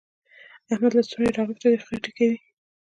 احمد لستوڼي رانغښتي دي؛ خټې کوي.